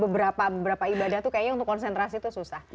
beberapa beberapa ibadah tuh kayaknya untuk konsentrasi itu susah